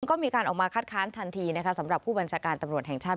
ก็มีการออกมาคัดค้านทันทีนะคะสำหรับผู้บัญชาการตำรวจแห่งชาติ